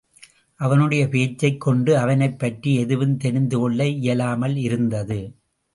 அவனுடைய பேச்சைக் கொண்டு, அவனைப் பற்றி எதுவும் தெரிந்து கொள்ள இயலாமல் இருந்தது.